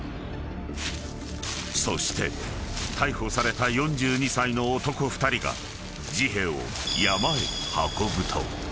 ［そして逮捕された４２歳の男２人が］